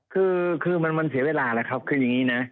คือมันเสียเวลาแล้วครับคืออย่างนี้นะ